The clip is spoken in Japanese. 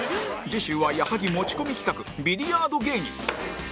次週は矢作持ち込み企画ビリヤード芸人